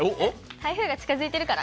台風が近づいてるから。